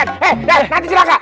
hei nanti celaka